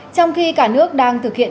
trong khi cả nước đang thực hiện